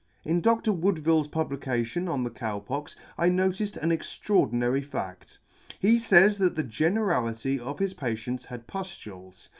" In Dr. Woodville's publication on the Cow Pox, I notice an extraordinary fadh He fays that the generality of his patients had puflules.